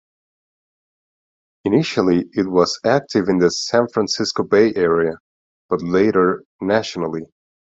Initially it was active in the San Francisco Bay area, but later, nationally.